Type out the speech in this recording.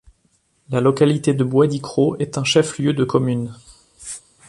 La localité de Bouadikro est un chef-lieu de commune.